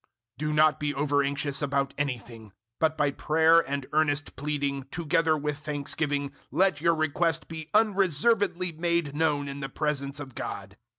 004:006 Do not be over anxious about anything, but by prayer and earnest pleading, together with thanksgiving, let your request be unreservedly made known in the presence of God.